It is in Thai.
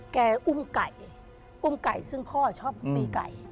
อุ้มไก่อุ้มไก่ซึ่งพ่อชอบตีไก่